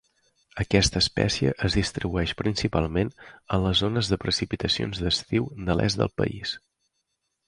Aquesta espècie es distribueix principalment en les zones de precipitacions d'estiu de l'est del país.